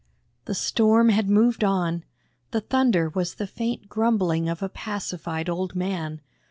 The storm had moved on; the thunder was the faint grumbling of a pacified old man.